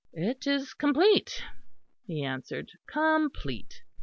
"It is complete," he answered, "complete.